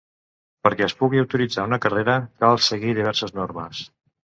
Perquè es pugui autoritzar una carrera, cal seguir diverses normes.